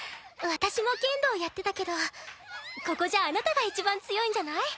私も剣道やってたけどここじゃああなたがいちばん強いんじゃない？